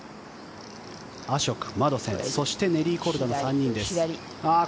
アショク、マドセンそして、ネリー・コルダの３人。